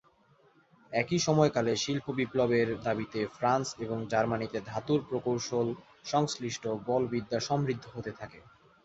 একই সময়কালে, শিল্প বিপ্লবের দাবিতে ফ্রান্স এবং জার্মানিতে ধাতুর প্রকৌশল সংশ্লিষ্ট বলবিদ্যা সমৃদ্ধ হতে থাকে।